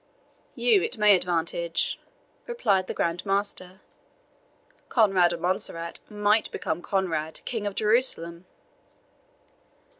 "You it may advantage," replied the Grand Master. "Conrade of Montserrat might become Conrade King of Jerusalem."